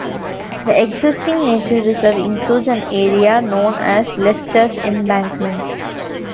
The existing nature reserve includes an area known as 'Lester's Embankment'.